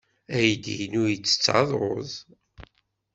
Aydi-inu yettett ṛṛuz.